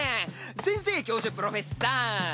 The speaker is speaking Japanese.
先生教授プロフェッサー